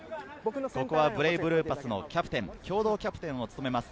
ブレイブルーパスのキャプテン、共同キャプテンを務めます